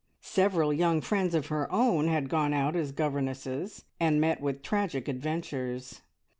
Several young friends of her own had gone out as governesses, and met with tragic adventures.